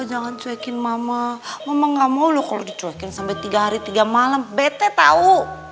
jangan cuekin mama mama gak mau loh kalau dicuekin sampai tiga hari tiga malam bete tahu